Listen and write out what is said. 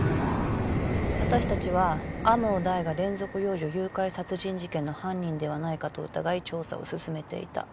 私たちは天羽大が連続幼女誘拐殺人事件の犯人ではないかと疑い調査を進めていた。